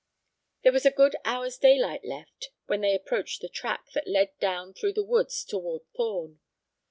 There was a good hour's daylight left when they approached the track that led down through the woods toward Thorn.